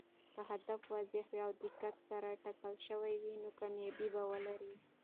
که هدف واضح او دقت سره ټاکل شوی وي، نو کامیابي به ولري.